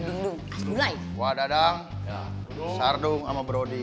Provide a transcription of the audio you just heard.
dung asgulai wadadang sardung ama brody